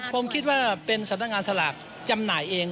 ผมคิดว่าเป็นสำนักงานสลากจำหน่ายเอง